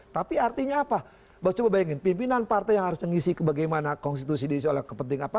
tapi artinya apa coba bayangin pimpinan partai yang harus mengisi bagaimana konstitusi diisi oleh kepentingan apa